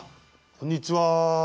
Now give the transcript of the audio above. こんにちは。